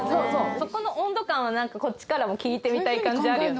そこの温度感は何かこっちからも聞いてみたい感じあるよね